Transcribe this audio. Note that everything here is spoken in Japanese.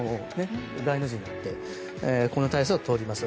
大の字になってこの体勢をとります。